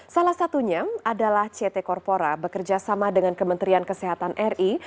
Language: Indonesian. salah satunya adalah ct corpora bekerja sama dengan kementerian kesehatan ri